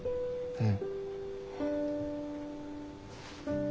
うん。